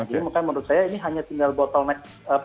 jadi makanya menurut saya ini hanya tinggal bottleneck